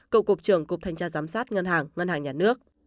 cựu cục trưởng cục thanh tra giám sát ngân hàng ngân hàng nhà nước